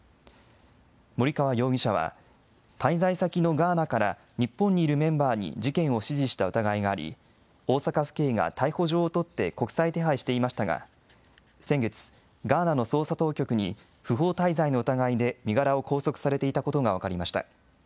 森川容疑者は、滞在先のガーナから日本にいるメンバーに事件を指示した疑いがあり、大阪府警が逮捕状を取って国際手配していましたが、先月、ガーナの捜査当局に不法滞在の疑いで、身柄を拘束されていたことが分かりました。